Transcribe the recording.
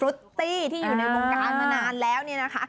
ดีน้องมาแบบ